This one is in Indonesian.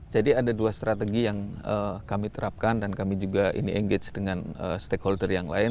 jadi ada dua strategi yang kami terapkan dan kami juga ini engage dengan stakeholder yang lain